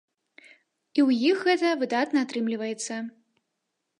І ў іх гэта выдатна атрымліваецца!